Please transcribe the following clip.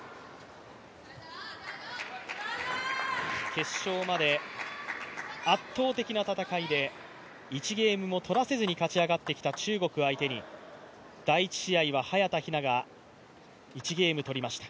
決勝まで圧倒的な戦いで１ゲームも取らせずに勝ち上がってきた中国相手に第１試合は早田ひなが１ゲーム取りました。